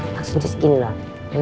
maksudnya just begini loh